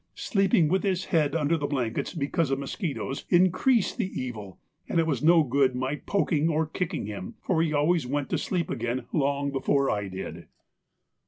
Sleeping with his head under the blankets because of mosquitoes, increased the evil, and it was no good my poking or kicking him, for he always went to sleep again long before I did.